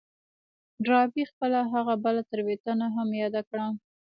ډاربي خپله هغه بله تېروتنه هم ياده کړه.